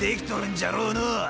じゃろうのう？